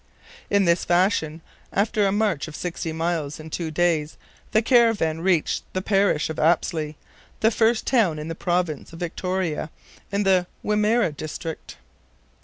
In this fashion, after a march of sixty miles in two days, the caravan reached the parish of Apsley, the first town in the Province of Victoria in the Wimerra district.